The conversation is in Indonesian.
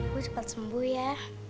ibu cepet sembuh ya